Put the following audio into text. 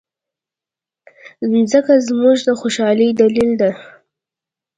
مځکه زموږ د خوشالۍ دلیل ده.